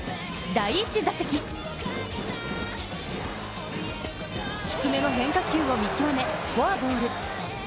第１打席低めの変化球を見極めフォアボール。